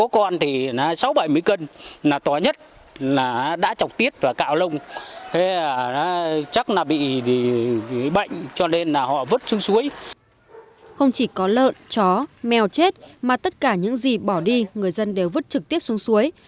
không chỉ có lợn chó mèo chết mà tất cả những gì bỏ đi người dân đều vứt trực tiếp xuống suối